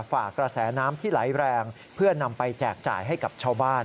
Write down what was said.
ฝากกระแสน้ำที่ไหลแรงเพื่อนำไปแจกจ่ายให้กับชาวบ้าน